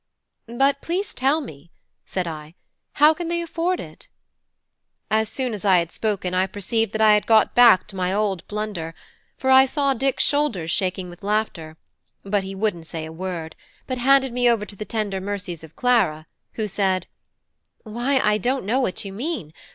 "But please tell me," said I, "how can they afford it?" As soon as I had spoken I perceived that I had got back to my old blunder; for I saw Dick's shoulders shaking with laughter; but he wouldn't say a word, but handed me over to the tender mercies of Clara, who said "Why, I don't know what you mean.